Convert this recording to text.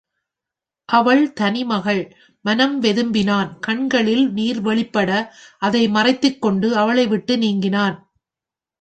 அவள் தனி மகள் மனம் வெதும்பினான் கண்களில் நீர் வெளிப்பட அதை மறைத்துக் கொண்டு அவளை விட்டு நீங்கினான்.